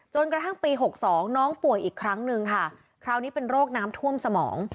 กระทั่งปี๖๒น้องป่วยอีกครั้งหนึ่งค่ะคราวนี้เป็นโรคน้ำท่วมสมอง